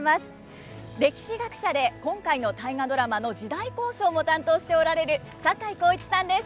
歴史学者で今回の「大河ドラマ」の時代考証も担当しておられる坂井孝一さんです。